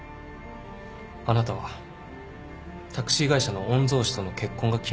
あなたはタクシー会社の御曹司との結婚が決まった。